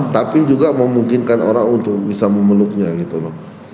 tapi juga memungkinkan orang untuk bisa memeluknya gitu loh